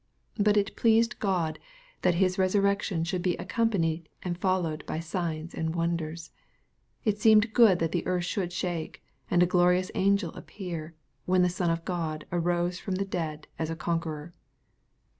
But it pleased God, that His resurrection should be accompanied and followed by signs and wonders. It seemed good that the earth should shake, and a glorious angel appear, when the Son of God arose from the dead as a conqueror.